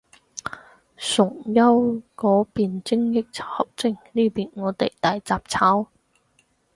崇優嗰邊精益求精，呢邊我哋大雜炒